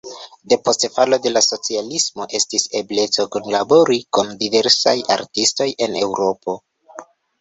Depost falo de la socialismo estis ebleco kunlabori kun diversaj artistoj en Eŭropo.